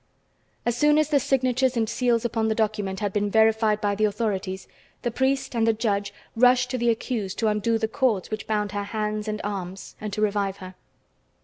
As soon as the signatures and seals upon the document had been verified by the authorities, the priest and the judge rushed to the accused to undo the cords which bound her hands and arms and to revive her.